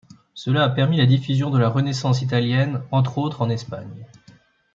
Cela a permis la diffusion de la Renaissance italienne entre autres en Espagne.